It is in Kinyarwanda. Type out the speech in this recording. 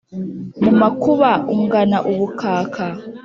Mu makuba ungana ubukaka